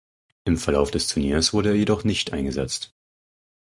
Im Verlauf des Turniers wurde er jedoch nicht eingesetzt.